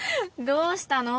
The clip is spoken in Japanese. どうしたの？